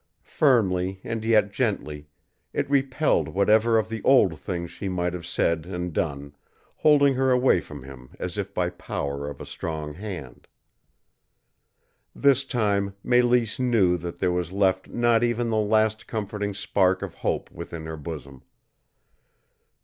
Firmly and yet gently, it repelled whatever of the old things she might have said and done, holding her away from him as if by power of a strong hand. This time Mélisse knew that there was left not even the last comforting spark of hope within her bosom.